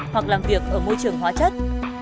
hoặc làm việc ở môi trường hóa chất